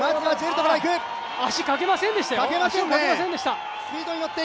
足をかけませんでしたよ。